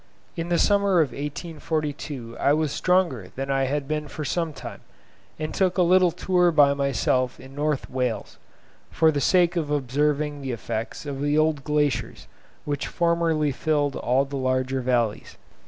In the summer of 1842 I was stronger than I had been for some time, and took a little tour by myself in North Wales, for the sake of observing the effects of the old glaciers which formerly filled all the larger valleys.